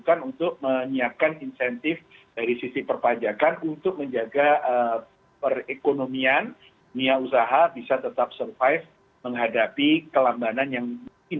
kasihan indonesia newsroom akan segera kembali